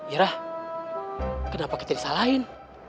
irah kenapa kita disalahin